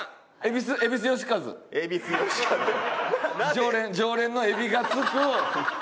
常連常連の「エビ」が付く。